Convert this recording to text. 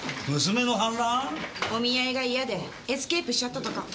お見合いが嫌でエスケープしちゃったとか。